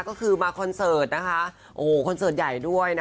ก็คือมาคอนเสิร์ตนะคะโอ้คอนเสิร์ตใหญ่ด้วยนะคะ